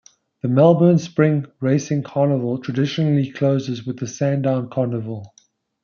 The Melbourne Spring Racing Carnival traditionally closes with the Sandown Carnival.